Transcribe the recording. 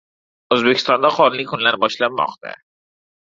O‘zbekistonda qorli kunlar boshlanmoqda